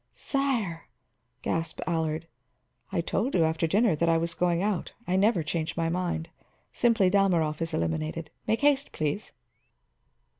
"Sire!" gasped Allard. "I told you after dinner that I was going out; I never change my mind. Simply, Dalmorov is eliminated. Make haste, please."